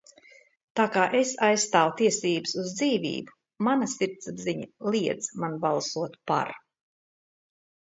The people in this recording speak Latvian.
"Tā kā es aizstāvu tiesības uz dzīvību, mana sirdsapziņa liedza man balsot "par"."